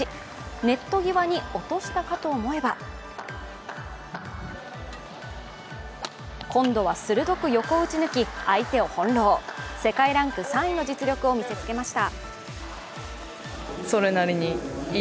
ネット際に落としたかと思えば今度は鋭く横を打ち抜き相手を翻弄世界ランク３位の実力を見せつけました。